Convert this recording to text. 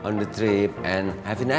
dan selamat hari nanti ya pak regar